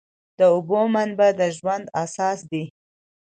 د اوبو منابع د ژوند اساس دي.